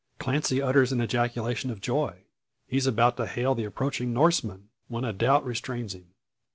Clancy utters an ejaculation of joy. He is about to hail the approaching Norseman, when a doubt restrains him.